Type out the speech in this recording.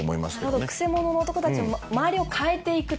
くせ者の男たちも周りを変えて行くというか。